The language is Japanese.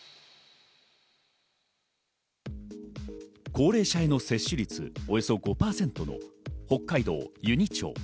高齢者への接種率およそ５％の北海道・由仁町。